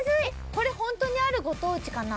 これホントにあるご当地かな？